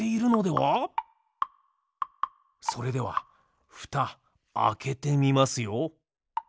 それではふたあけてみますよ。